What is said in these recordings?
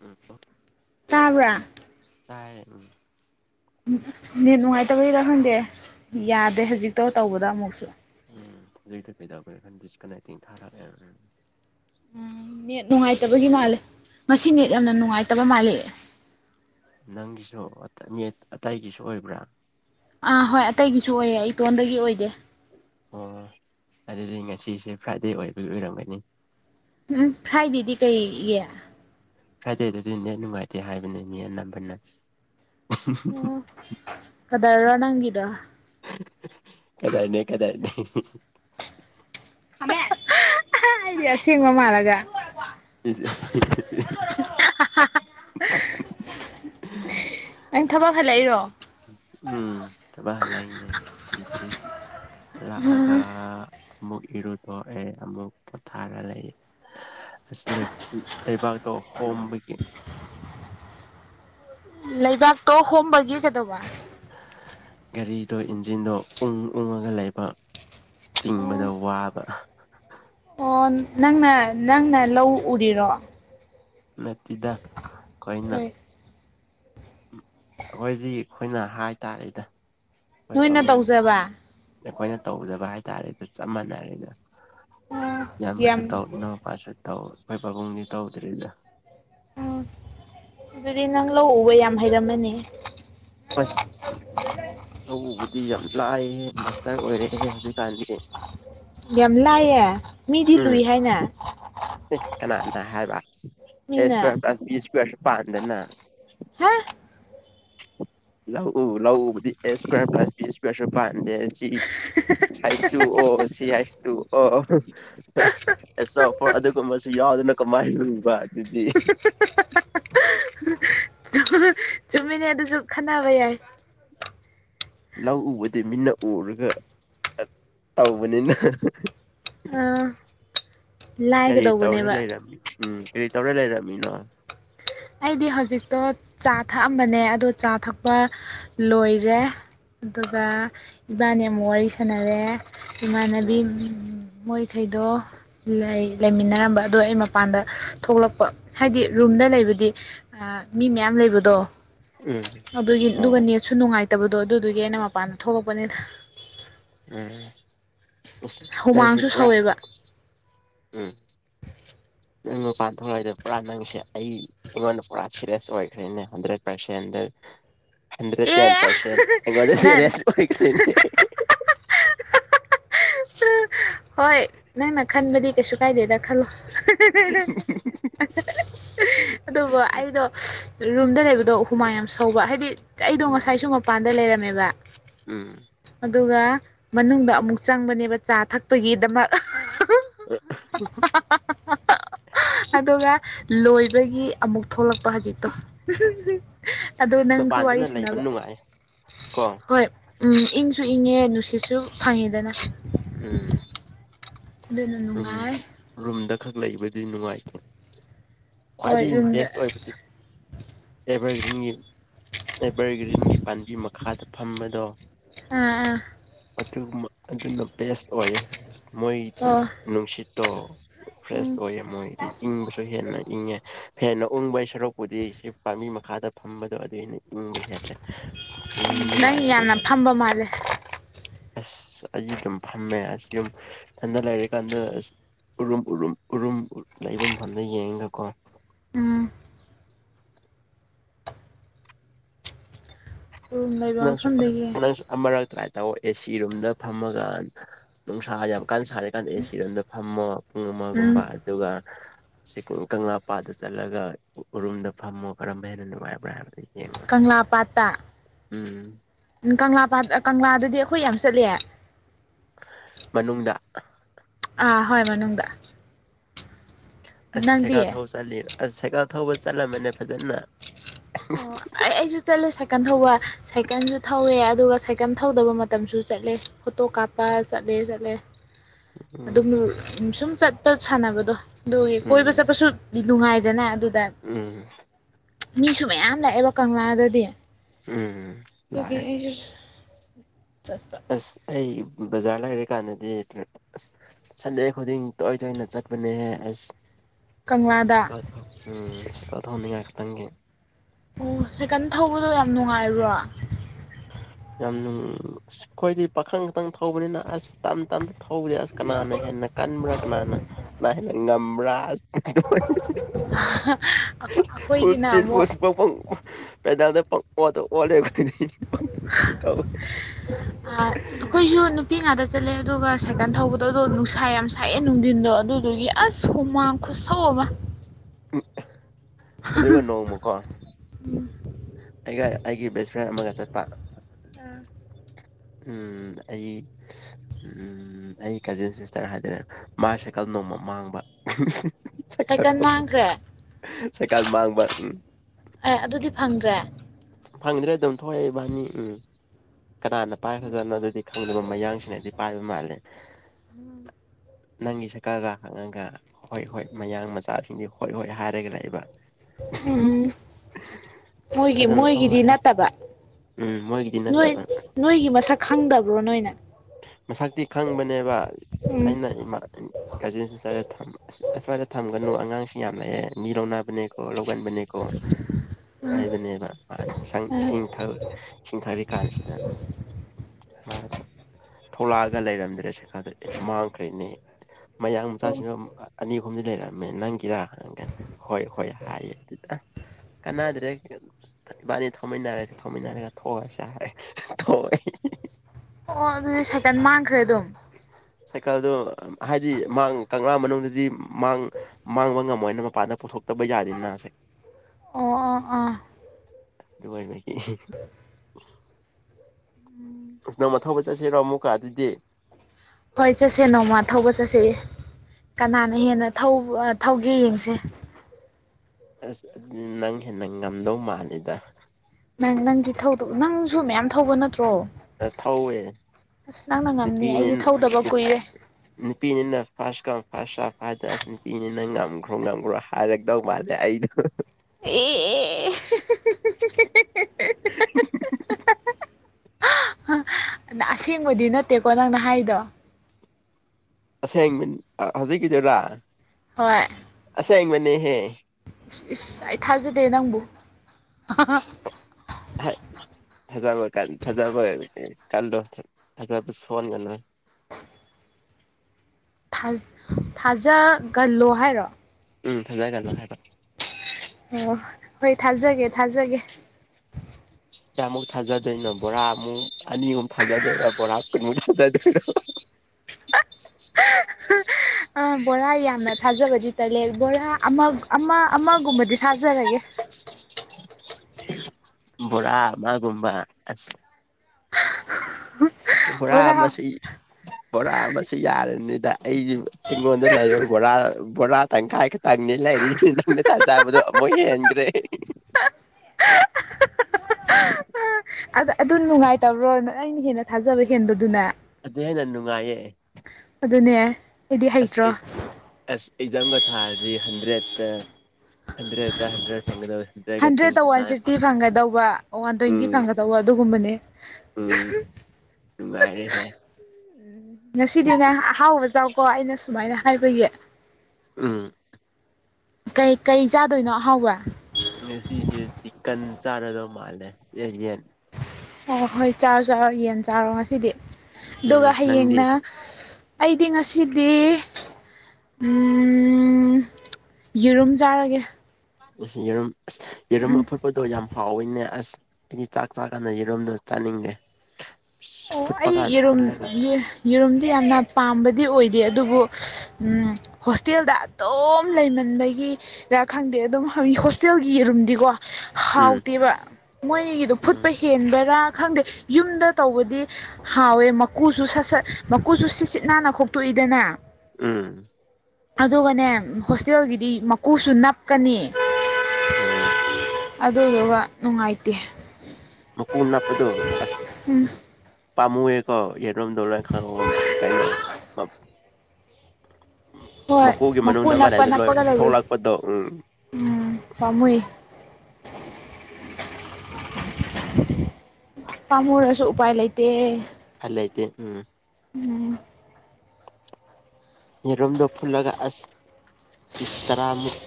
ꯎꯝ ꯇꯥꯕ꯭ꯔꯥ ꯇꯥꯏꯔ ꯎꯝ ꯅ ꯅꯨꯡꯉꯥꯏꯇꯕꯩꯔ ꯈꯪꯗꯦ ꯌꯥꯗꯦ ꯍꯧꯖꯤꯛꯇꯧ ꯇꯧꯕꯗ ꯑꯃꯨꯛꯁꯨ ꯎꯝ ꯑꯗꯨꯩꯗ ꯀꯩꯗ ꯑꯩꯈꯣꯏ ꯗꯤꯁꯀꯅꯥꯛꯇꯤꯡ ꯊꯥꯔꯛꯑꯦ ꯎꯝ ꯅꯠ ꯅꯨꯡꯉꯥꯏꯇꯕꯒꯤ ꯃꯥꯜꯂꯦ ꯉꯁꯤ ꯅꯦꯠ ꯌꯥꯝꯅ ꯅꯨꯡꯉꯥꯏꯇꯕ ꯃꯥꯂꯦ ꯅꯪꯒꯤꯁꯨ ꯑꯇꯩꯒꯤꯁꯨ ꯑꯣꯏꯕ꯭ꯔꯥ ꯑꯥ ꯍꯣꯏ ꯑꯇꯩꯒꯤꯁꯨ ꯑꯣꯏꯌꯦꯦ ꯏꯇꯣꯟꯗꯒꯤ ꯑꯣꯏꯗꯦ ꯑꯣ ꯑꯗꯨꯗꯤ ꯉꯁꯤꯁꯦ ꯐ꯭ꯔꯥꯏꯗꯦ ꯑꯣꯏꯕꯒꯤ ꯑꯣꯏꯔꯝꯒꯅꯤ ꯎꯝ ꯐ꯭ꯔꯥꯏꯗꯤꯦꯗꯤ ꯀꯩꯌꯦ ꯐꯔꯗꯦꯗꯗꯤ ꯅꯦ ꯅꯨꯡꯉꯥꯏꯇꯦ ꯍꯥꯏꯕꯅꯦ ꯃꯤ ꯑꯅꯝꯕꯅ ꯑꯣ ꯀꯗꯔ ꯅꯪꯒꯤꯤꯗ ꯀꯗꯥꯏꯅꯦ ꯀꯗꯥꯔ ꯅ ꯍꯥꯏꯗꯤ ꯁꯤꯉ ꯃꯥꯂꯒ [unintelligible] ꯅꯪ ꯊꯕꯛ ꯍꯜꯂꯛꯏꯔꯣ ꯎꯝ ꯊꯕꯛ ꯍꯜꯂꯛꯏꯅꯦ ꯀꯨꯏꯗ꯭ꯔꯤꯂꯛꯑꯒ ꯑꯃꯨꯛ ꯏꯔꯨꯊꯣꯛꯑꯦ ꯑꯃꯨꯛ ꯄꯣꯊꯥꯔ ꯂꯩꯑꯦ ꯂꯩꯕꯥꯛ ꯣ ꯍꯣꯝꯕꯒꯤ ꯂꯩꯕꯥꯛꯇꯣ ꯍꯣꯝꯕꯒꯤ ꯀꯩꯗꯧꯕ ꯒꯥꯔꯤꯗꯣ ꯏꯟꯖꯤꯟꯗꯣ ꯎꯪ ꯎꯪꯉꯒ ꯂꯩꯕ ꯆꯤꯡꯕꯥꯗ ꯋꯥꯕ ꯑꯣ ꯅꯪꯅ ꯅꯪꯅ ꯂꯧ ꯎꯔꯤꯔꯣ ꯅꯠꯇꯤꯗ ꯀꯅ ꯀꯩ ꯑꯩꯈꯣꯏꯗꯤ ꯑꯩꯈꯣꯏꯅ ꯍꯥꯏꯇꯥꯔꯦꯗ ꯑꯩꯈꯣꯏ ꯅꯣꯏꯅ ꯄꯥꯕꯨꯡ ꯇꯧꯖꯕ ꯑꯩꯈꯣꯏꯅ ꯇꯧꯗꯕ ꯍꯥꯏꯇꯥꯔꯦ ꯑꯗꯨ ꯆꯞ ꯃꯥꯟꯅꯔꯦꯗ ꯌꯥꯝ ꯏꯌꯥꯝꯕꯁꯨ ꯇꯧ ꯅꯨꯄꯥꯁꯨ ꯇꯧ ꯑꯩꯈꯣꯏ ꯄꯥꯕꯨꯡꯗꯤ ꯇꯧꯗ꯭ꯔꯤꯗ ꯎꯝ ꯑꯗꯨꯗꯤ ꯅꯪ ꯂꯧ ꯎꯕ ꯌꯥꯝ ꯍꯩꯔꯝꯃꯅꯤ ꯍ ꯗꯤ ꯌꯥꯝ ꯂꯥꯏꯑꯍꯦ ꯃꯁꯇꯔ ꯑꯣꯏꯔꯛꯑꯦꯍꯦ ꯍꯧꯖꯤꯛꯀꯥꯟꯗꯤ ꯌꯥꯝ ꯂꯥꯏꯌꯦ ꯃꯤꯗꯤ ꯂꯨꯏ ꯍꯥꯏꯅ ꯀꯅꯥꯅꯥ ꯍꯥꯏꯕ ꯑꯦ ꯃꯤꯅ ꯏꯁꯀ꯭ꯋꯥꯔ ꯄ꯭ꯂꯁ ꯕꯤ ꯏꯁꯀ꯭ꯋꯥꯔꯁꯨ ꯄꯥꯟꯗꯅꯥ ꯍꯥ ꯂꯎ ꯂꯎ ꯑꯦ ꯏꯁꯋꯥꯔ ꯄ꯭ꯂꯁ ꯏꯁꯔꯁꯨꯄ ꯍꯥꯏꯁ ꯇꯨ ꯑꯣ ꯁꯤ ꯍꯥꯏꯁꯇꯨ ꯑꯣꯄ ꯑꯗꯨꯒꯨꯝꯕꯁꯨ ꯌꯥꯎꯗꯅꯥ ꯀꯃꯥꯏꯅꯕ ꯑꯗꯨꯗꯤ [unintelligible] ꯆꯨꯝꯃꯤꯅꯦ ꯑꯗꯨꯁꯨ ꯈꯟꯅꯕ ꯌꯥꯏ ꯂꯧ ꯎꯕꯗꯤ ꯃꯤꯅ ꯎꯔꯒ ꯇꯧꯕꯅꯤꯅ [inaudible] ꯀꯔꯤ ꯇꯧꯔ ꯂꯥꯏꯒꯗꯧꯕꯅꯦꯕ ꯂꯩꯔꯝꯃꯤ ꯎꯝ ꯀꯔꯤ ꯇꯧꯔ ꯂꯩꯔꯝꯃꯤꯅꯣ ꯑꯩꯗꯤ ꯍꯧꯖꯤꯛꯇꯣ ꯆꯥ ꯊꯛꯑꯝꯕꯅꯦ ꯑꯗꯣ ꯆꯥ ꯊꯛꯄ ꯂꯣꯏꯔꯦ ꯑꯗꯨꯒ ꯏꯕꯥꯅꯤ ꯑꯃꯨꯛ ꯋꯥꯔꯤ ꯁꯅꯔꯦ ꯏꯃꯥꯟꯅꯕꯤ ꯎꯝ ꯃꯣꯏ ꯈꯩꯗꯣ ꯂꯩ ꯂꯩꯃꯤꯟꯅꯔꯝꯕ ꯑꯗꯣ ꯑꯩ ꯃꯄꯥꯟꯗ ꯊꯣꯛꯂꯛꯄ ꯍꯥꯏꯗꯤ ꯔꯨꯝꯗ ꯂꯩꯕꯗꯤ ꯃꯤ ꯃꯌꯥꯝ ꯂꯩꯕꯗꯣ ꯎꯝ ꯑꯗꯨꯒꯤ ꯑꯗꯨꯒ ꯑꯣ ꯅꯦꯠꯁꯨ ꯅꯨꯡꯉꯥꯏꯇ ꯐꯠꯇꯕꯗꯣ ꯑꯗꯨꯗꯨꯒꯤ ꯑꯩꯅ ꯃꯄꯥꯟꯗ ꯊꯣꯛꯂꯛꯄꯅꯤꯗ ꯎꯝꯁꯤ ꯍꯨꯃꯥꯡꯁꯨ ꯁꯧꯋꯦꯕ ꯄꯨ ꯎꯝ ꯅꯪ ꯃꯄꯥꯟ ꯊꯣꯛꯂꯛꯏꯗ ꯄꯨꯔꯥ ꯅꯪꯁꯦ ꯑꯩ ꯑꯩꯉꯣꯟꯗ ꯄꯨꯔꯥ ꯁꯤꯦꯔꯤꯌꯥꯁ ꯑꯣꯏꯈ꯭ꯔꯦꯅꯦ ꯍꯟꯗ꯭ꯔꯦꯠ ꯄꯥꯔꯁꯦꯟ ꯍꯟꯗꯇꯌꯥꯟ ꯑꯦ ꯄꯁ ꯅꯪ ꯁꯔꯤꯌꯥꯁꯅꯤ ꯍꯣꯏ ꯅꯪꯅ ꯈꯟꯕꯗꯤ ꯀꯩꯁꯨ ꯀꯥꯏꯗꯦꯗ ꯈꯜꯂꯣ ꯑꯗꯨꯕꯨ ꯑꯩꯗꯣ ꯔꯨꯝꯗ ꯂꯩꯕꯗꯣ ꯍꯨꯃꯥꯡ ꯌꯥꯝ ꯁꯧꯕ ꯍꯥꯏꯗꯤ ꯑꯩꯗꯣ ꯎꯝ ꯉꯁꯥꯏꯁꯨ ꯃꯄꯥꯟꯗ ꯂꯩꯔꯝꯃꯦꯕ ꯎꯝ ꯑꯗꯨꯒ ꯃꯅꯨꯡꯗ ꯑꯃꯨꯛ ꯆꯪꯕꯅꯦꯕ ꯆꯥ ꯊꯛꯄꯒꯤꯗꯃꯛ ꯑꯗꯨꯒ ꯂꯣꯏꯕꯒꯤ ꯑꯃꯨꯛ ꯊꯣꯛꯂꯛꯄ ꯍꯧꯖꯤꯛꯇꯣ ꯑꯗꯣ ꯅꯪꯁꯨ ꯋꯥꯔꯤ ꯁꯥꯟꯅꯕ ꯀꯣꯟ ꯍꯣꯏ ꯎꯝ ꯏꯪꯁꯨ ꯏꯪꯉꯦ ꯅꯨꯡꯁꯤꯠꯁꯨ ꯐꯪꯉꯦꯗꯅ ꯎꯝ ꯑꯗꯨꯅ ꯔ ꯅꯨꯡꯉꯥꯏ ꯔꯝꯗ ꯈꯛ ꯂꯩꯕꯗꯤ ꯅꯨꯡꯉꯥꯏꯀꯣ ꯍꯣꯏ ꯈ꯭ꯋꯥꯏꯗꯒꯤ ꯔꯨꯝꯗ ꯕꯦꯁ ꯑꯣꯏꯕꯗꯤ ꯑꯦꯚꯔꯒ꯭ꯔꯤꯟꯒꯤ ꯑꯦꯚꯔꯒ꯭ꯔꯤꯟꯒꯤ ꯄꯥꯝꯕꯤ ꯃꯈꯥꯗ ꯐꯝꯕꯗꯣ ꯑꯥ ꯑꯥ ꯑꯗꯨ ꯑꯗꯨꯅ ꯦꯁ ꯑꯣꯏ ꯃꯣꯏꯗꯤ ꯑꯣ ꯅꯨꯡꯁꯤꯠꯇꯣ ꯐ꯭ꯔꯦꯁ ꯎꯝ ꯑꯣꯏꯌꯦ ꯃꯣꯏꯗꯤ ꯏꯪꯕꯁꯨ ꯍꯦꯟꯅ ꯏꯪꯉꯦ ꯍꯦꯟꯅ ꯎꯪꯕꯒꯤ ꯁꯔꯨꯛꯄꯨꯗꯤ ꯁꯤ ꯄꯥꯝꯕꯤ ꯃꯈꯥꯗ ꯐꯝꯕꯗꯣ ꯑꯗꯨꯒꯤꯅꯤ ꯏ ꯍꯥꯏ ꯏ ꯃ ꯅꯪ ꯃꯥꯗ ꯌꯥꯝꯅ ꯍꯥꯏꯅ ꯐꯝꯕ ꯃꯥꯜꯂꯦ ꯑꯁ ꯑꯩ ꯑꯗꯨꯝ ꯐꯝꯃꯦ ꯑꯁ ꯌꯨꯝꯊꯟꯗ ꯂꯩꯔꯤꯀꯥꯟꯗ ꯑꯁ ꯎꯔꯨꯝ ꯎꯔꯨꯝ ꯎꯔꯨꯝ ꯂꯩꯚꯝ ꯍꯥꯟꯅ ꯌꯦꯡꯗꯀꯣ ꯎꯝ ꯎꯔꯨꯝ ꯂꯩꯕ ꯅꯪꯁꯨ ꯃꯐꯝꯗꯒꯤ ꯅꯪꯁꯨ ꯑꯃꯔꯛ ꯇ꯭ꯔꯥꯏ ꯇꯧ ꯑꯦꯁꯤ ꯔꯨꯝꯗ ꯐꯝꯃꯀꯥꯟ ꯅꯨꯡꯁꯥ ꯌꯥꯝ ꯀꯟ ꯁꯥꯔꯤꯀꯥꯟꯗ ꯑꯦꯁꯤ ꯔꯨꯝꯗ ꯐꯝꯃꯣ ꯄꯨꯡ ꯑꯃꯒꯨꯝꯕ ꯎꯝ ꯑꯗꯨꯒ ꯀꯪꯂꯥ ꯄꯥꯠꯇ ꯆꯠꯂꯒ ꯎꯔꯨꯝꯗ ꯐꯝꯃꯣ ꯀꯔꯝꯕ ꯍꯦꯟꯅ ꯅꯨꯡꯉꯥꯏꯕ꯭ꯔꯥ ꯍꯥꯏꯕꯗꯤ ꯀꯪꯂꯥ ꯄꯥꯠꯇ ꯎꯝ ꯎꯝ ꯀꯪꯂꯥ ꯄꯥꯠꯇ ꯀꯪꯂꯥꯗꯗꯤ ꯑꯩꯈ ꯈꯣꯢ ꯌꯥꯝ ꯆꯠꯂꯦ ꯃꯅꯨꯡꯗ ꯑꯥ ꯍꯣꯏ ꯃꯅꯨꯡꯗ ꯑꯁ ꯅꯪꯗꯤ ꯁꯦꯒꯥꯜ ꯑꯣ ꯊꯧ ꯆꯠꯂꯤ ꯑꯁ ꯁꯦꯒꯜ ꯊꯧꯕ ꯆꯠꯂꯝꯃꯅꯦ ꯐꯖꯅ ꯑꯣ ꯑꯩ ꯑꯩꯁꯨ ꯆꯠꯂꯦ ꯁꯥꯏꯀꯟ ꯊꯧꯕ ꯁꯥꯏꯀꯟꯁꯨ ꯊꯧꯋꯦ ꯑꯗꯨꯒ ꯁꯥꯢ ꯀꯩꯝ ꯊꯧꯗꯕ ꯃꯇꯝꯁꯨ ꯆꯠꯂꯦ ꯐꯣꯇꯣ ꯀꯥꯞꯄ ꯆꯠꯂꯦ ꯆꯠꯂꯦ ꯎꯝ ꯑꯗꯨꯝ ꯁꯨꯝ ꯆꯠꯄ ꯁꯥꯟꯅꯕꯗꯣ ꯑꯗꯨꯒꯤ ꯀꯣꯏꯕ ꯎꯝ ꯆꯠꯄꯁꯨ ꯅꯨꯡꯉꯥꯏ ꯎꯝ ꯃꯤꯁꯨ ꯃꯌꯥꯝ ꯂꯥꯛꯑꯦꯕ ꯀꯪꯂꯥꯗꯗꯤ ꯎꯝ ꯑꯗꯨꯒꯤ ꯂꯥꯛꯑꯦ ꯑꯩꯁꯨ ꯆꯠꯄ ꯑꯁ ꯑꯩ ꯕꯖꯥꯔ ꯂꯩꯔꯤꯀꯥꯟꯗꯗꯤ ꯑꯁ ꯁꯟꯗꯦ ꯈꯨꯗꯤꯡ ꯇꯣꯏ ꯇꯣꯏꯅ ꯆꯠꯄꯅꯦꯍꯦ ꯑꯁ ꯀꯪꯂꯥꯗ ꯎꯝ ꯁꯥꯢꯀꯜ ꯊꯧꯅꯤꯡꯉꯥꯏ ꯈꯛꯇꯪꯒꯤ ꯑꯣ ꯁꯥꯢꯀꯟ ꯊꯧꯕꯗꯣ ꯌꯥꯝ ꯅꯨꯡꯉꯥꯏꯕ꯭ꯔꯣ ꯌꯥꯝ ꯅꯨꯡ ꯑꯁ ꯑꯩꯈꯣꯏꯗꯤ ꯄꯥꯈꯪ ꯈꯛꯇꯪ ꯊꯧꯕꯅꯤꯅ ꯑꯁ ꯇꯝ ꯇꯝꯅ ꯊꯧꯕꯖꯦ ꯑꯁ ꯀꯅꯥꯅ ꯍꯦꯟꯅ ꯀꯟꯕ꯭ꯔꯥ ꯀꯅꯥꯅ ꯀꯅꯥ ꯍꯦꯟꯅ ꯉꯝꯕ꯭ꯔꯥ ꯑꯁ [inaudible] ꯐꯨꯜ ꯑꯩꯈꯣꯏꯒꯤꯅ ꯑꯃꯨꯛ ꯁꯄꯤꯗ ꯐꯨꯜ [unintelligible] ꯄꯦꯗꯜꯗ ꯄꯪꯑꯣꯠꯇ ꯑꯣꯠꯂꯦ ꯑꯩꯈꯣꯢꯗꯤ ꯑ ꯑꯩꯈꯣꯏꯖꯨ ꯅꯨꯄꯤ ꯉꯥꯛꯇ ꯆꯠꯂ ꯂꯦ ꯑꯗꯨꯒ ꯁꯥꯏꯀꯟ ꯊꯧꯕꯗꯣ ꯑꯗꯣ ꯅꯨꯡꯁꯥ ꯌꯥꯝ ꯁꯥꯏꯌꯦ ꯅꯨꯡꯊꯤꯟꯗꯣ ꯑꯗꯨꯗꯨꯒꯤ ꯑꯁ ꯍꯨꯃꯥꯡ ꯈꯨꯁꯧ ꯑꯃ ꯑꯗꯨꯒ ꯅꯣꯡꯃꯀꯣ ꯑꯩꯒ ꯑꯩꯒꯤ ꯕꯦꯁ ꯐ꯭ꯔꯦꯟ ꯑꯃꯒ ꯆꯠꯄ ꯎꯝ ꯑꯩ ꯎꯝ ꯑꯩ ꯀꯖꯤꯟ ꯁꯤꯁꯇꯔ ꯍꯥꯏꯗꯣꯏꯅꯦ ꯃꯥ ꯁꯥꯏꯀꯜ ꯅꯣꯡꯃ ꯃꯥꯡꯕ ꯁꯥꯢꯀꯜ ꯁꯥꯏꯀꯜ ꯊꯧꯕ ꯀꯥꯟ ꯃꯥꯡꯈ꯭ꯔꯦ ꯁꯥꯢꯀꯜ ꯃꯥꯡꯕ ꯑꯦ ꯑꯗꯨꯗꯤ ꯐꯪꯗ꯭ꯔꯦ ꯐꯪꯗ꯭ꯔꯦ ꯑꯗꯨꯝ ꯊꯣꯛꯑꯛꯦ ꯢꯕꯥꯅꯤ ꯎꯝ ꯀꯅꯥꯅ ꯄꯥꯏꯈꯔ ꯖꯥꯠꯅꯣ ꯑꯗꯨꯗꯤ ꯈꯪꯗꯕ ꯃꯌꯥꯡꯁꯤꯅꯗꯤ ꯄꯥꯏꯕ ꯃꯥꯜꯂꯦ ꯎꯝ ꯅꯪꯒꯤ ꯁꯥꯢꯀꯜꯂꯥ ꯍꯪꯉꯒ ꯍꯣꯏ ꯍꯣꯏ ꯃꯌꯥꯡ ꯃꯆꯥꯁꯤꯡꯗꯤ ꯍꯣꯏ ꯍꯣꯏ ꯍꯥꯏꯔꯒ ꯂꯩꯕ ꯎꯝ ꯃꯣꯏꯒꯤ ꯑꯗꯨꯝ ꯃꯣꯏꯒꯤꯗꯤ ꯊꯣꯛꯂꯛꯑꯦ ꯅꯠꯇꯕ ꯎꯝ ꯃꯣꯏꯒꯤꯗꯤ ꯅꯣꯏ ꯅꯠꯇꯕ ꯅꯣꯏꯒꯤ ꯃꯁꯛ ꯈꯪꯗꯕ꯭ꯔꯣ ꯅꯣꯏꯅ ꯃꯁꯛꯇꯤ ꯈꯪꯕꯅꯦꯕ ꯎꯝ ꯑꯩꯅ ꯏꯃꯥ ꯀꯖꯤꯟ ꯁꯤꯁꯇꯔꯗ ꯊꯝ ꯑꯁ ꯑꯁ꯭ꯋꯥꯗ ꯊꯝꯒꯅꯨ ꯑꯉꯥꯡꯁꯤ ꯌꯥꯝ ꯂꯩꯌꯦ ꯃꯤ ꯂꯧꯅꯕꯅꯦꯀꯣ ꯂꯧꯒꯟꯕꯅꯦꯀꯣ ꯎꯝ ꯍꯥꯏꯕꯅꯦꯕ ꯏꯁꯪ ꯑꯣ ꯏꯁꯤꯡ ꯊꯛ ꯢꯁꯤꯡ ꯊꯛꯂꯤ ꯀꯥꯟꯁꯤꯗ ꯃꯥꯗꯣ ꯊꯣꯛꯂꯛꯑꯒ ꯂꯩꯔꯝꯗ꯭ꯔꯦ ꯁꯦꯀꯥꯜꯗꯣ ꯑꯦ ꯃꯥꯡꯈ꯭ꯔꯦꯅꯦ ꯃꯌꯥꯡ ꯃꯆꯥꯁꯤꯡꯅ ꯑꯅꯤ ꯑꯍꯨꯝꯗꯤ ꯂꯩꯔꯝꯃꯦ ꯅꯪꯒꯤꯔ ꯈꯪꯒ ꯍꯣꯏ ꯍꯣꯏ ꯍꯥꯏꯌꯦ ꯑꯗꯨꯗ ꯀꯥꯟꯅꯗ꯭ꯔꯦ ꯏꯕꯥꯅꯤ ꯊꯧꯃꯤꯟꯅꯔꯁꯦ ꯊꯧꯃꯤꯟꯅꯔꯒ ꯊꯣꯛꯑꯁꯦ ꯍꯥꯏꯔꯦ ꯊꯣꯛꯑꯩ ꯑꯣ ꯑꯗꯨꯗꯤ ꯁꯥꯢꯀꯟ ꯃꯥꯡꯈ꯭ꯔꯦ ꯑꯗꯨꯝ ꯁꯥꯏꯀꯜꯗꯣ ꯍꯥꯏꯗꯤ ꯃꯥꯡ ꯀꯪꯂꯥ ꯃꯅꯨꯡꯗꯗꯤ ꯃꯥꯡꯕ ꯉꯝꯃꯣꯏꯅꯦ ꯄꯥꯗ ꯐ ꯑꯣ ꯑ ꯑꯥ ꯗꯨꯕꯥꯏꯀꯤ ꯁ ꯅꯧ ꯑ ꯊꯧꯕ ꯆꯠꯁꯤꯔꯣ ꯑꯃꯨꯛ ꯀꯥ ꯑꯗꯨꯏꯗꯤ ꯍꯣꯏ ꯆꯠꯁꯦ ꯅꯣꯡꯃ ꯊꯧꯕ ꯆꯠꯁꯦ ꯀꯅꯥꯅ ꯍꯦꯟꯅ ꯊꯧꯒꯦ ꯌꯦꯡꯁꯦ ꯑꯁ ꯅꯪ ꯍꯦꯟꯅ ꯉꯝꯗꯧ ꯃꯥꯜꯂꯤꯦꯗ ꯗ ꯅꯪꯁꯨ ꯃꯌꯥꯝ ꯊꯧꯕ ꯅꯠꯇ ꯑ ꯊꯧꯋꯦ ꯑꯁ ꯅꯪꯅ ꯉꯝꯅꯤ ꯅꯨꯄꯤꯅ ꯑꯩꯗꯤ ꯊꯧꯗꯕ ꯅꯨ ꯀꯨꯏꯔꯦ ꯅꯨꯄꯤꯅꯤꯅ ꯐꯥꯔꯁ ꯀ ꯐꯥꯔꯁ ꯐ ꯇꯁ ꯅꯨꯄꯤꯅꯤꯅ ꯉꯝꯈ꯭ꯔꯣ ꯉꯝꯈ꯭ꯔꯣ ꯍꯥꯏꯔꯗꯧ ꯃꯥꯜꯁꯦ ꯑꯩꯗꯣ ꯑꯦ ꯑꯁꯦꯡꯕꯗꯤ ꯅꯠꯇꯦꯀꯣ ꯅꯪꯅ ꯍꯥꯏꯗꯣ ꯁꯦꯡ ꯃꯤ ꯍꯧꯖꯤꯛꯀꯤꯗꯨꯔ ꯍꯣꯏ ꯥꯏ ꯃꯅꯦ ꯍꯦ ꯏꯁ ꯑꯩ ꯊꯥꯖꯗꯦ ꯅꯪꯕꯨ ꯍ ꯐꯖꯕ ꯀ ꯐꯖꯕ ꯀꯜꯗꯣ ꯄꯨ ꯐꯣꯟ ꯀ [inaudible] ꯖ ꯊꯥꯖ ꯜꯂꯣ ꯍꯥꯏꯔꯣ ꯎꯝ ꯐꯖꯩ ꯊꯖꯣ ꯍꯥꯏꯕꯣ ꯑꯣ ꯍꯣꯏ ꯊꯥꯖꯒꯦ ꯊꯥꯖꯒꯦ ꯀꯌꯥꯃꯨꯛ ꯊꯥꯖꯗꯣꯏꯅꯣ ꯕꯣꯔꯥꯃꯨꯛ ꯑꯅꯤꯃꯨꯛ ꯊꯥꯖꯗꯣꯏꯔꯣ ꯕꯣꯔꯥ ꯀꯨꯟꯃꯨꯛ ꯊꯥꯖꯗꯣꯏꯔꯣ [unintelligible] ꯑ ꯕꯣꯔꯥ ꯌꯥꯝꯅ ꯊꯥꯖꯕꯗꯤ ꯇꯂꯦ ꯕꯣꯔꯥ ꯑꯃ ꯑꯃ ꯑꯃꯒꯨꯝꯕꯗꯤ ꯁꯥꯖꯔꯒꯦ ꯕꯣꯔꯥ ꯃꯥꯒꯨꯝꯕ ꯑꯁ ꯑꯁ ꯄꯨꯔꯥ ꯕꯣꯔꯥ ꯃꯁꯤ ꯕꯣꯔꯥ ꯑꯃꯁ ꯌꯥꯔꯕꯅꯤꯗ ꯑꯩꯗꯤ ꯑꯩꯉꯣꯟꯗ ꯂꯩꯔꯤꯕ ꯕꯣꯔꯥ ꯕꯣꯔꯥ ꯇꯪꯈꯥꯏ ꯈꯛꯇꯪꯅꯤ ꯂꯩꯔꯤꯅꯤ ꯅꯪꯅ ꯇꯥꯖꯕꯗꯣ ꯑꯃꯨꯛ ꯍꯦꯟꯈ꯭ꯔꯦ [inaudible] ꯑ ꯑꯗꯨ ꯅꯨꯡꯉꯥꯏꯇꯕ꯭ꯔꯣ ꯅ ꯑꯩꯅ ꯍꯦꯟꯅ ꯊꯥꯖꯕ ꯍꯦꯟꯕꯗꯨꯅꯦ ꯑꯗꯨ ꯍꯦꯟꯅ ꯅꯨꯡꯉꯥꯏꯌꯦ ꯑꯗꯨꯅꯦ ꯑꯩꯗꯤ ꯍꯩꯇ꯭ꯔꯣ ꯑꯦꯛꯖꯝꯕ ꯊꯥꯔꯗꯤ ꯍꯟꯗ꯭ꯔꯦꯠꯇ ꯍꯟꯗ꯭ꯔꯦꯠꯇ ꯍꯟꯗ꯭ꯔꯦꯠ ꯍꯟꯗ꯭ꯔꯦꯠꯇ ꯋꯥꯟ ꯐꯤꯐꯇꯤ ꯐꯪꯒꯗꯧꯕ ꯋꯥꯟ ꯇ꯭ꯋꯦꯟꯇꯤ ꯎꯝ ꯐꯪꯒꯗꯧꯕ ꯑꯗꯨꯒꯨꯝꯕꯅꯤ [inaudible] ꯔꯦ ꯍꯥꯏ ꯎꯝ ꯉꯁꯤꯗꯤ ꯅꯪ ꯑꯍꯥꯎꯕꯖꯥꯎꯀꯣ ꯑꯩꯅ ꯁꯨꯃꯥꯏꯅ ꯍꯥꯏꯕꯒꯤ ꯎꯝ ꯀꯩ ꯀꯩ ꯆꯥꯗꯣꯏꯅꯣ ꯑꯍꯥꯎꯕ ꯆꯥꯔꯗꯣ ꯃꯥꯜꯂꯦ ꯌꯦ ꯌꯦꯅꯤ ꯑꯣ ꯍꯣꯏ ꯆꯥꯔ ꯆꯥꯔꯣ ꯌꯦꯟ ꯆꯥꯔꯣ ꯉꯁꯤꯗꯤ ꯎꯝ ꯑꯗꯨꯒ ꯅꯪꯗꯤ ꯍꯌꯦꯡꯅ ꯑꯩꯗꯤ ꯉꯁꯤꯗꯤ ꯎꯝ ꯌꯦꯔꯨꯝ ꯆꯥꯔꯒꯦ ꯑꯁ ꯌꯦꯔꯨꯝ ꯑꯁ ꯌꯦꯔꯨꯝ ꯑꯐꯨꯠꯄꯗꯣ ꯌꯥꯝ ꯍꯥꯎꯋꯤꯅꯦ ꯑꯁ ꯁꯤꯗꯤ ꯆꯥꯛ ꯆꯥꯛꯀꯥꯟꯗꯗꯤꯔꯣꯝꯗ ꯆꯥꯅꯤꯡꯗꯦ ꯑꯣ ꯐꯨꯠꯄ ꯑꯩ ꯀꯥꯟ ꯌꯦꯔꯨꯝ ꯐꯨꯠꯂꯒ ꯌꯦꯔꯨꯝꯗꯤ ꯌꯥꯝꯅ ꯄꯥꯝꯕꯗꯤ ꯑꯣꯏꯗꯦ ꯑꯗꯨꯕꯨ ꯍꯣꯁꯇꯦꯜꯗ ꯑꯗꯨꯝ ꯂꯩꯃꯟꯕꯒꯤꯔꯥ ꯈꯪꯗꯦ ꯑꯗꯨꯝ ꯍꯣꯁꯇꯦꯜꯒꯤ ꯔꯨꯝꯗꯤꯀꯣ ꯎꯝ ꯍꯥꯎꯇꯦꯕ ꯃꯣꯏꯒꯤꯗ ꯎꯝ ꯐꯨꯠꯄ ꯍꯦꯟꯕꯔꯥ ꯈꯪꯗꯦ ꯌꯨꯝꯗ ꯇꯧꯕꯗ ꯗꯤ ꯍꯥꯎꯋꯦ ꯃꯀꯨꯁꯨ ꯁꯠ ꯁꯠ ꯃꯀꯨꯁꯨ ꯁꯤꯠ ꯁꯤꯠ ꯅꯥꯟꯅ ꯈꯣꯛꯇꯣꯛꯏꯗꯅ ꯎꯝ ꯑꯗꯨꯒꯅꯦ ꯍꯣꯁꯇꯦꯜꯒꯤꯗꯤ ꯃꯀꯨꯁꯨ ꯅꯞꯀꯅꯤ ꯑꯝ ꯑꯗꯨꯗꯨꯒ ꯅꯨꯡꯉꯥꯏꯇꯦ ꯃ ꯀ ꯎꯅꯄꯗ ꯑꯁ ꯎꯝ ꯄꯥꯃꯨꯑ ꯌꯦ ꯔꯨꯝꯗ ꯂ ꯀꯩꯅꯣ ꯍꯣꯏ ꯃꯀꯨꯒꯤ ꯃꯀꯨ ꯃꯅꯨꯡꯗ ꯑꯃ ꯅꯞꯄ ꯂꯩꯕꯗꯣ ꯂꯣꯏ ꯅꯞꯄꯒ ꯂꯩꯔꯏ ꯊꯣꯛꯂꯛꯄꯗꯣ ꯎꯝ ꯎꯝ ꯎꯝ ꯐꯝꯃꯏ ꯄꯝꯨꯁꯨ ꯎꯥꯏ ꯂꯩꯇ ꯇ ꯐꯂꯥꯏꯇ ꯎꯝ [unintelligible] ꯌꯦꯔꯨꯝꯗ ꯐꯨꯜꯂꯒꯒ ꯑꯁ ꯄꯤꯁ ꯇꯔꯥꯃꯨꯛ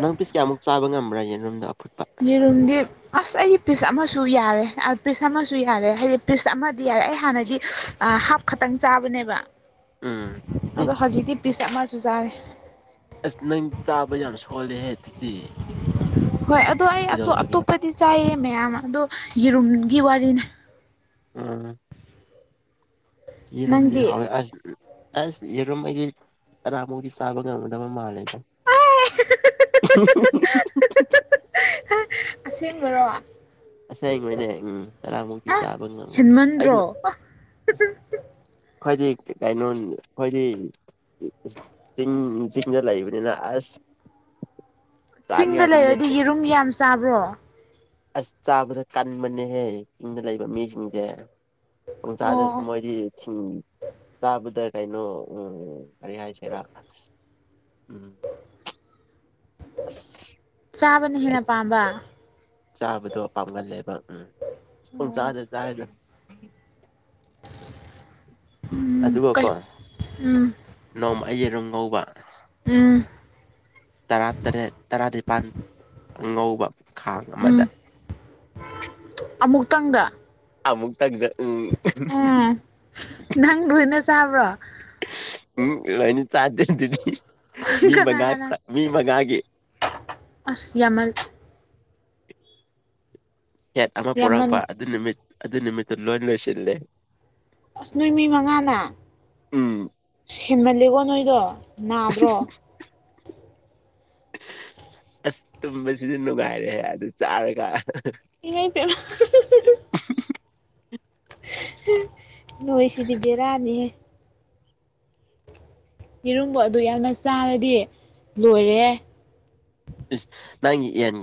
ꯅꯪ ꯄꯤꯁ ꯀꯌꯥꯃꯨꯛ ꯆꯥꯕ ꯉꯝꯕ꯭ꯔꯅꯦ ꯃꯅꯨꯡꯗꯨꯝꯗ ꯑꯐꯨ ꯌꯦꯔꯨꯝꯗꯤ ꯑꯁ ꯑꯩꯗꯤ ꯄꯤꯁ ꯑꯃꯁꯨ ꯌꯥꯔꯦ ꯄꯤꯁ ꯑꯃꯁꯨ ꯌꯥꯔꯦ ꯍꯥꯏꯗꯤ ꯄꯤꯁ ꯑꯃꯗꯤ ꯌꯥꯔꯦ ꯑꯩ ꯍꯥꯟꯅꯗꯤ ꯍꯥꯞ ꯈꯛꯇꯪ ꯆꯥꯕꯅꯦꯕ ꯎꯝ ꯑꯦ ꯑꯗ ꯍꯖꯤꯗꯤꯤ ꯄꯤꯤꯁꯥ ꯃꯁꯨꯨꯖꯥꯔꯦ ꯑꯁ ꯅꯪ ꯆꯥꯕ ꯌꯥꯝ ꯁꯣꯜꯂꯦꯍꯦ ꯑꯗꯨꯛꯇꯗꯤ ꯍꯣꯏ ꯑꯗꯣ ꯑꯩ ꯑꯁꯛ ꯑꯇꯣꯞꯄꯗꯤ ꯆꯥꯏꯌꯦ ꯃꯌꯥꯝꯅ ꯑꯗꯣ ꯌꯦꯔꯨꯝꯒꯤ ꯋꯥꯔꯤꯅꯤ ꯎꯝ ꯏꯔꯣꯝꯗꯤ ꯅꯪꯗꯤ ꯍꯥꯏ ꯑꯔꯝ ꯃ ꯇꯥꯃꯨꯒꯤ ꯁꯥꯕ ꯃꯥꯂꯦ [unintelligible] ꯑꯁꯦꯡꯕꯔꯣ ꯑꯁ ꯑꯩꯉꯣꯏꯅꯦ ꯎꯝ ꯇꯔꯥꯃꯨꯛꯇꯤ ꯑ ꯆꯥꯕ ꯉꯝꯂ ꯍꯦꯟꯃꯟꯗ꯭ꯔꯣ ꯑꯩꯅ ꯑ ꯑꯩꯈꯣꯏꯗꯤ ꯀꯩꯅꯣ ꯑꯩꯈꯣꯏꯗꯤ ꯆꯤꯡ ꯆꯤꯡꯗ ꯂꯩꯕꯅꯤꯅ ꯑꯁ ꯆꯤꯡꯗ ꯆꯥꯅꯤꯡꯉꯥꯏꯗꯤ ꯂꯩꯔꯗꯤ ꯂꯦꯞꯇꯦ ꯌꯦꯔꯨꯝ ꯌꯥꯝ ꯆꯥꯕ꯭ꯔꯣ ꯑꯁ ꯆꯥꯕꯗ ꯀꯟꯕꯅꯦꯍꯦ ꯆꯤꯡꯗ ꯂꯩꯕ ꯃꯤꯁꯤꯡꯁꯦ ꯎ ꯆ ꯑꯥꯗ ꯑꯣ ꯃꯣꯏꯗꯤ ꯇꯥꯕꯨꯗ ꯀꯥꯏꯩꯅꯣ ꯎ ꯀꯔꯤ ꯍꯥꯏ ꯍꯥꯏꯁꯦꯔ ꯎꯝ ꯑꯁ ꯆꯥꯕꯅ ꯍꯦꯟꯅ ꯄꯥꯝꯕ ꯆꯥꯕꯗꯣ ꯄꯥꯝꯒꯜꯂꯦꯕ ꯎꯝ ꯄꯨꯡ ꯑꯣ ꯆꯥꯗ ꯆꯥꯔꯤꯗ ꯎꯝ ꯀꯩ ꯑꯗꯨꯒꯀꯣ ꯎꯝ ꯅꯣꯡꯃ ꯑꯩ ꯌꯦꯔꯨꯝ ꯀꯧꯕꯧꯕ ꯎꯝ ꯇꯔꯥꯇꯔꯦꯠ ꯇꯔꯥꯅꯤꯄꯥꯜ ꯑꯉꯧꯕ ꯈꯥꯡ ꯎꯝ ꯑꯃꯗ ꯑꯃꯨꯛꯇꯪꯗ ꯑ ꯃꯨ ꯇꯪꯗꯦ ꯎꯝ ꯅꯪ ꯂꯣꯏꯅ ꯆꯥꯕ꯭ꯔꯣ ꯎꯝ ꯂꯣꯏꯅꯤ ꯆꯥꯗꯦ ꯑꯗꯨꯗꯤ ꯃꯤ ꯀꯅꯥ ꯃꯉꯥ ꯀꯅꯥ ꯃꯤ ꯃꯉꯥꯒꯤ ꯑꯁ ꯌꯥꯝꯃꯜ ꯁꯦꯠ ꯑꯃ ꯄꯨꯔꯛꯄ ꯌꯥꯝꯃꯟ ꯑꯗꯨ ꯅꯨꯃꯤꯠ ꯑꯗꯨ ꯅꯨꯃꯤꯠꯇꯨ ꯂꯣꯏ ꯂꯣꯏꯁꯤꯜꯂꯦ ꯑꯁ ꯅꯣꯏ ꯃꯤ ꯃꯉꯥꯅ ꯎꯝ ꯁꯦꯝꯃꯜꯂꯦꯀꯣ ꯅꯣꯏꯗꯣ ꯅꯥꯕ꯭ꯔꯣ ꯑꯁ ꯇꯨꯝꯕꯁꯤꯗꯤ ꯅꯨꯡꯉꯥꯏꯔꯦ ꯑꯗꯨ ꯆꯥꯔꯒ ꯏ ꯄ [unintelligible] ꯅꯣꯏ ꯁꯤꯗꯤ ꯕꯦꯔꯥꯅꯤꯍꯦ ꯌꯦꯔꯨꯝꯕ ꯑꯗꯨ ꯌꯥꯝꯅ ꯆꯥꯔꯗꯤ ꯂꯣꯏꯔꯦ ꯅꯪ ꯌꯦꯅꯤꯡ